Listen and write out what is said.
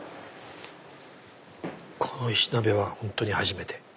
この石鍋は本当に初めて。